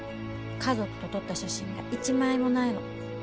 家族と撮った写真が１枚もないの。